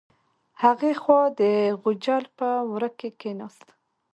هغې خوا د غوجل په وره کې کیناست.